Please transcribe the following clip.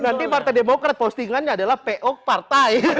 berarti partai demokrat postingannya adalah po partai